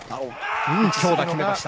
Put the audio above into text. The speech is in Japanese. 強打、決めました。